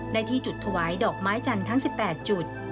ได้ที่จุดถวายดอกไม้จันทร์ทั้ง๑๘จุด